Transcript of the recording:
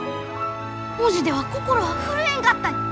文字では心は震えんかったに！